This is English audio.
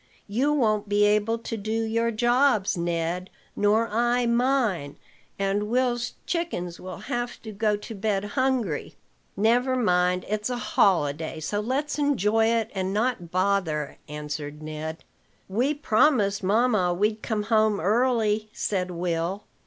"You won't be able to do your jobs, Ned, nor I mine, and Will's chickens will have to go to bed hungry." "Never mind: it's a holiday, so let's enjoy it, and not bother," answered Ned. "We promised mamma we'd come home early," said Will.